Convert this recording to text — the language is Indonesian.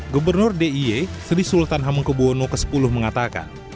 gubernur dia sri sultan hamengkubuwono x mengatakan